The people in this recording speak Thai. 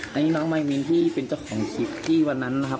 อันนี้น้องมายมินที่เป็นเจ้าของคลิปที่วันนั้นนะครับ